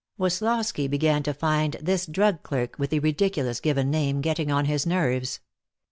Woslosky began to find this drug clerk with the ridiculous given name getting on his nerves.